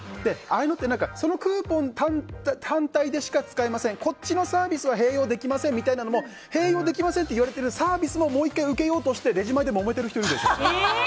ああいうのって何かそのクーポン単体でしか使えませんこっちのサービスは併用できませんみたいなのも併用できませんって言われてるサービスももう１回受けようとしてレジ前でもめてる人いるでしょ。